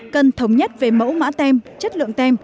cần thống nhất về mẫu mã tem chất lượng